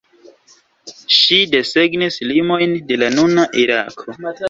Ŝi desegnis limojn de la nuna Irako.